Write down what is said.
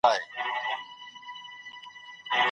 د ټولني پرمختګ لپاره دواړه عوامل اړین دي.